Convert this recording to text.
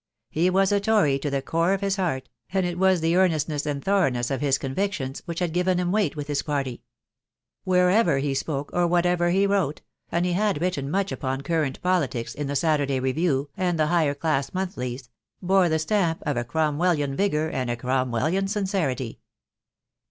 He was a Tory to the core of his heart; and it was the earnestness and thoroughness of his convictions which had given him weight with his party. Wherever he spoke, or whatever he wrote — and he had written much upon current politics in the Satur day Review , and the higher class monthlies — bore the stamp of a Cromwellian vigour and a Cromwellian sincerity.